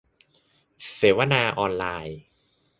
เสวนาออนไลน์